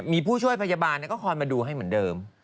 มีผู้ช่วยพยาบาลก็คอยมาดูให้เหมือนเดิม